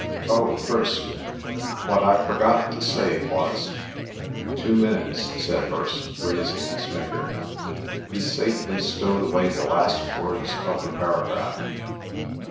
"Oh, Hirst, what I forgot to say was—" "Two minutes," said Hirst, raising his finger. He safely stowed away the last words of the paragraph.